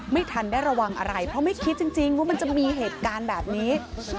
ไม่ทันได้ระวังอะไรเพราะไม่คิดจริงว่ามันจะมีเหตุการณ์แบบนี้